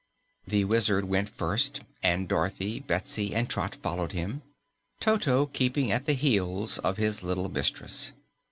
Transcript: The Wizard went first, and Dorothy, Betsy and Trot followed him, Toto keeping at the heels of his little mistress.